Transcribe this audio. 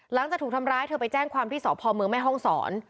หลังจากถูกทำร้ายเธอไปแจ้งความที่สพเมืองแม่ห้องศร